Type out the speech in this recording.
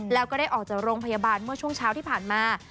แล้วก็ได้ออกจากโรงพยาบาลเมื่อช่วงเช้าที่ผ่านมา